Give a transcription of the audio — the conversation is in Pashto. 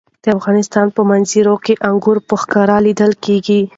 د افغانستان په منظره کې انګور په ښکاره لیدل کېږي.